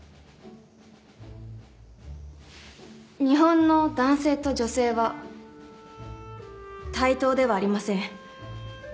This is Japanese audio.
日本の男性と女性は対等ではありません。